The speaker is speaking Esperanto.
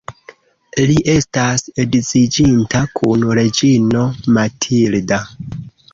Li estas edziĝinta kun reĝino Matilda.